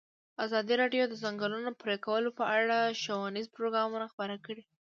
ازادي راډیو د د ځنګلونو پرېکول په اړه ښوونیز پروګرامونه خپاره کړي.